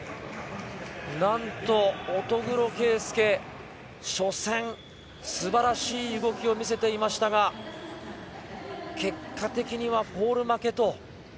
なんと乙黒圭祐、初戦、素晴らしい動きを見せていましたが、結果的にはフォール負けと。